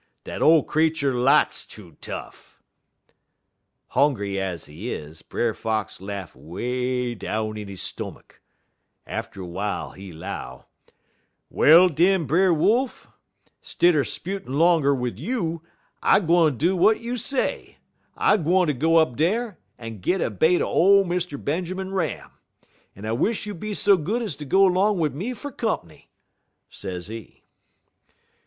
Dat ole creetur lots too tough.' "Hongry ez he is, Brer Fox laugh way down in he stomach. Atter w'ile he 'low: "'Well, den, Brer Wolf, stidder 'sputin' 'longer you, I'm gwine do w'at you say; I'm gwine ter go up dar en git a bait er ole Mr. Benjermun Ram, en I wish you be so good ez ter go 'long wid me fer comp'ny,' sezee.